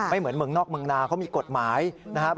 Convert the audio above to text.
เหมือนเมืองนอกเมืองนาเขามีกฎหมายนะครับ